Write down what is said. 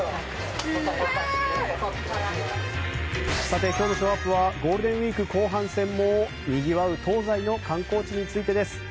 さて今日のショーアップはゴールデンウィーク後半戦もにぎわう東西の観光地についてです。